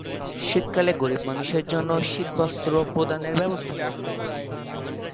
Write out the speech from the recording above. শীতকালে গরীব মানুষের জন্য শীত বস্ত্র প্রদানের ব্যবস্থা করতেন।